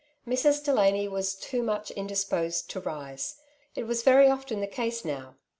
Mrs. Delany was too much indisposed to rise. It was very often the case now.